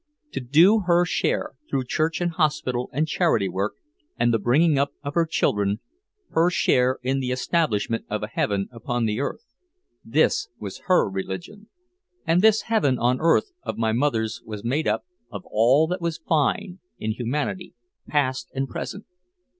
To do her share, through church and hospital and charity work and the bringing up of her children, her share in the establishment of a heaven upon the earth, this was her religion. And this heaven on earth of my mother's was made up of all that was "fine" in humanity past and present.